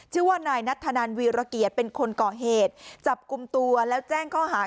ชื่อว่านายนัทธนันวีรเกียรติเป็นคนก่อเหตุจับกลุ่มตัวแล้วแจ้งข้อหา